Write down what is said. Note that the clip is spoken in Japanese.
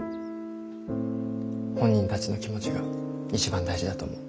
本人たちの気持ちが一番大事だと思う。